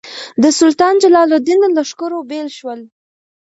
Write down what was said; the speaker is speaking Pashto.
د سلطان جلال الدین له لښکرو بېل شول.